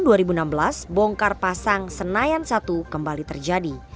tahun dua ribu enam belas bongkar pasang senayan i kembali terjadi